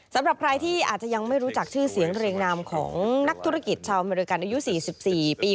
สำหรับใครที่อาจจะยังไม่รู้จักชื่อเสียงเรียงนามของนักธุรกิจชาวอเมริกันอายุ๔๔ปี